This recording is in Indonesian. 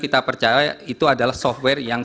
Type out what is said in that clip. kita percaya itu adalah software yang